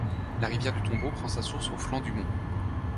La rivière du Tombeau prend sa source au flanc du mont.